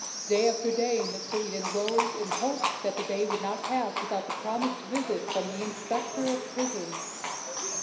Day after day Mr. Eden rose in hope that day would not pass without the promised visit from the "Inspector of Prisons."